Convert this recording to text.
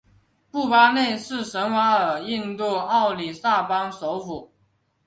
布巴内什瓦尔是印度奥里萨邦首府。